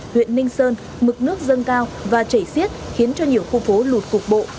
huyện ninh sơn mực nước dâng cao và chảy xiết khiến cho nhiều khu phố lụt cục bộ